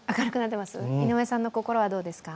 井上さんの心はどうですか？